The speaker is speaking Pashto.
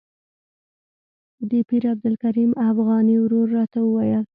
د پیر عبدالکریم افغاني ورور راته وویل.